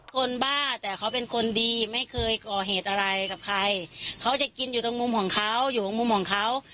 บ้าแต่เขาเป็นคนดีไม่เคยก่อเหตุอะไรกับใครเขาจะกินอยู่ตรงมุมของเขาอยู่ตรงมุมของเขา